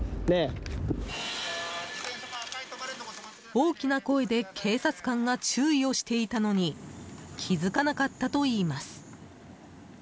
大きな声で警察官が注意をしていたのに気づかなかったといいます。